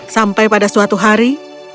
sampai pada suatu hari